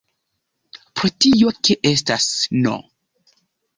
Pro tio ke estas "n!